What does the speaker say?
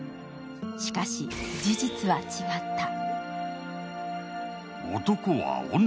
しかし、事実は違った。